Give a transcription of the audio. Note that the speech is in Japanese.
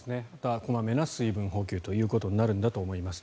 小まめな水分補給ということになるんだと思います。